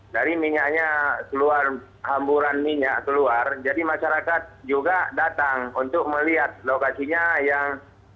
dari minyaknya keluar hamburan minyak keluar jadi masyarakat juga datang untuk melihat lokasinya yang